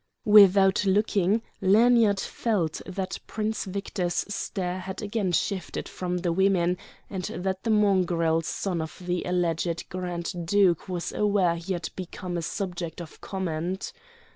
Without looking, Lanyard felt that Prince Victor's stare had again shifted from the women, and that the mongrel son of the alleged grand duke was aware he had become a subject of comment.